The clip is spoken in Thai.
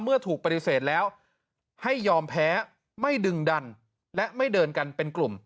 เมื่อถูกปฏิเสธแล้วให้ยอมแพ้ไม่ดึงดันและไม่เดินกันเป็นกลุ่ม